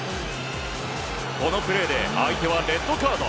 このプレーで相手はレッドカード。